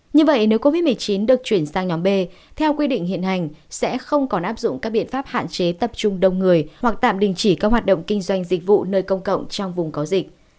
như vậy nếu covid một mươi chín được chuyển sang nhóm b theo quy định hiện hành sẽ không còn áp dụng các biện pháp hạn chế tập trung đông người hoặc tạm đình chỉ các hoạt động kinh doanh dịch vụ nơi công cộng trong vùng có dịch